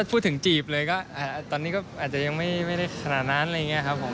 จีบเลยก็ตอนนี้ก็อาจจะยังไม่ได้ขนาดนั้นอะไรอย่างนี้ครับผม